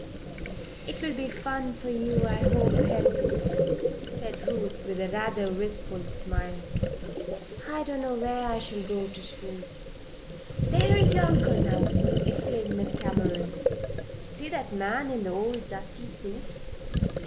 "It will be fun for you, I hope, Helen," said Ruth, with rather a wistful smile. "I don't know where I shall go to school." "There is your uncle now!" exclaimed Miss Cameron. "See that man in the old dusty suit?"